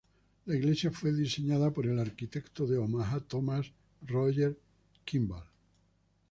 La iglesia fue diseñada por el arquitecto de Omaha Thomas Rogers Kimball.